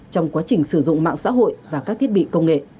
trong quá trình sử dụng mạng xã hội và các thiết bị công nghệ